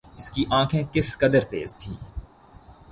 اس کی آنکھیں کس قدر تیز تھیں